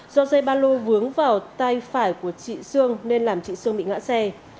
do dây ba lô vướng vào tay phải của chị sương nên làm chị sương bị ngã xe